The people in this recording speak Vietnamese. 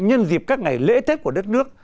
nhân dịp các ngày lễ tết của đất nước